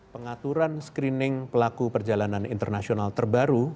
pengaturan screening pelaku perjalanan internasional terbaru